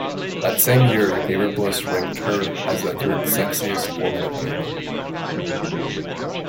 That same year, GamerBliss ranked her as the third-sexiest "woman of gaming".